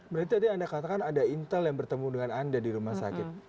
berarti tadi anda katakan ada intel yang bertemu dengan anda di rumah sakit